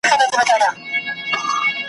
خو چي لوی سي تل د ده په ځان بلاوي ,